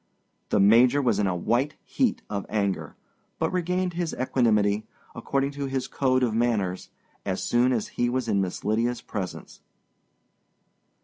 The Major was in a white heat of anger, but regained his equanimity, according to his code of manners, as soon as he was in Miss Lydia's presence.